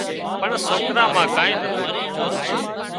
پڻ سوڪرا مان ڪانين نتون